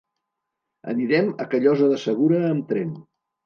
Anirem a Callosa de Segura amb tren.